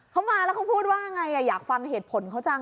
เขามาแล้วเขาพูดว่าไงอยากฟังเหตุผลเขาจัง